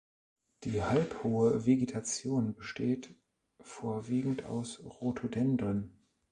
Die halbhohe Vegetation besteht vorwiegend aus Rhododendren.